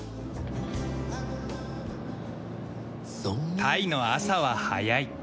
タイの朝は早い。